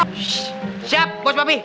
shh siap bos papi